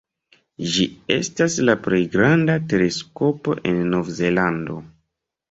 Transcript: Ĝi estas la plej granda teleskopo en Nov-Zelando.